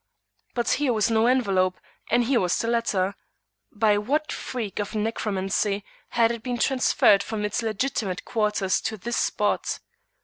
But here was no envelope, and here was the letter. By what freak of necromancy had it been transferred from its legitimate quarters to this spot?